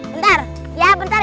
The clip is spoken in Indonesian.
bentar ya bentar ya